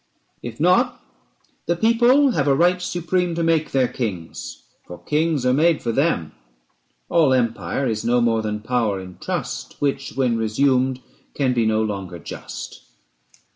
If not, the people have a right supreme To make their kings, for kings are made for them. 410 All empire is no more than power in trust, Which, when resumed, can be no longer just.